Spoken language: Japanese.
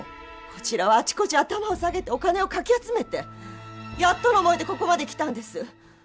こちらはあちこち頭を下げてお金をかき集めてやっとの思いでここまで来たんです。